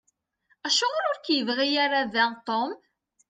Acuɣeṛ ur k-yebɣi ara da Tom?